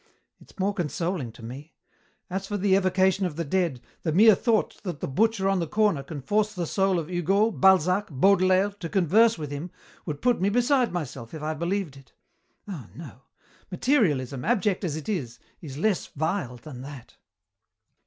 It's more consoling to me. As for the evocation of the dead, the mere thought that the butcher on the corner can force the soul of Hugo, Balzac, Baudelaire, to converse with him, would put me beside myself, if I believed it. Ah, no. Materialism, abject as it is, is less vile than that."